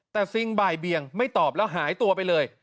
แต่ซิงบ่ายเบียงไม่ตอบแล้วหายตัวไปเลย